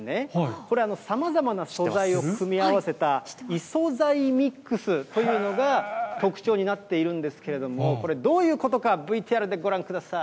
これ、さまざまな素材を組み合わせた、異素材ミックスというのが特徴になっているんですけれども、これ、どういうことか、ＶＴＲでご覧ください。